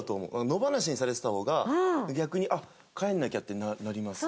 野放しにされてた方が逆に帰らなきゃってなります。